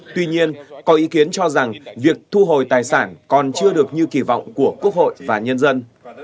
tuy nhiên có ý kiến cho rằng việc thu hồi tài sản còn chưa được như kỳ vọng của quốc hội và nhân dân